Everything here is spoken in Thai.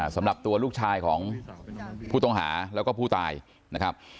สำหรับตัวลูกชายของผู้ต้องหาแล้วก็ผู้ตายนะครับ